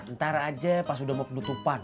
ntar aja pas udah mau penutupan